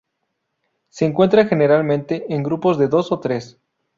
Se encuentran generalmente en grupos de dos o tres.